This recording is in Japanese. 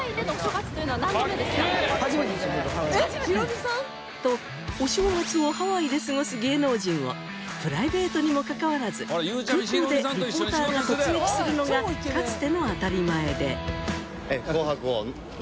えっヒロミさん！？とお正月をハワイで過ごす芸能人をプライベートにもかかわらず空港でリポーターが突撃するのがかつての当たり前で。